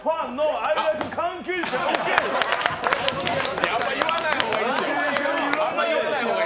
あんまり言わない方がいい。